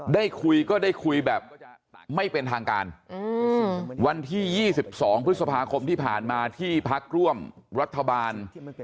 ได้คุยก็ได้คุยแบบไม่เป็นทางการวันที่๒๒พฤษภาคมที่ผ่านมาที่พักร่วมรัฐบาล